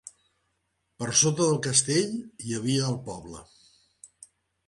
Per sota del castell hi havia el poble.